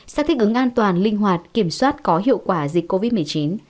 sẽ thích ứng an toàn linh hoạt kiểm soát có hiệu quả dịch covid một mươi chín